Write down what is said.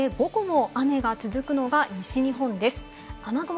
一方で午後も雨が続くのが西日本です。